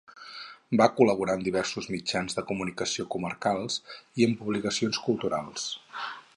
Va col·laborar en diversos mitjans de comunicació comarcals i en publicacions culturals.